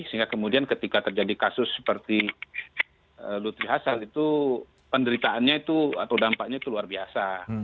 sehingga kemudian ketika terjadi kasus seperti luthi hasan itu penderitaannya itu atau dampaknya itu luar biasa